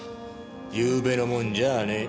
ゆうべのもんじゃねえ。